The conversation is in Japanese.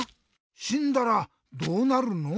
しんだらどうなるの？